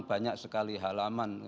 banyak sekali halaman